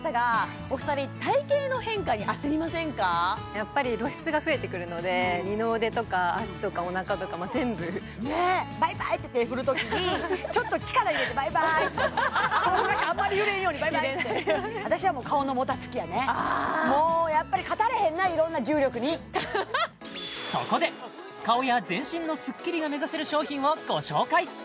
やっぱり露出が増えてくるのでバイバイって手振るときにちょっと力入れてバイバイってここがあまり揺れんようにバイバイって私はもうもうやっぱり勝たれへんないろんな重力にそこで顔や全身のスッキリが目指せる商品をご紹介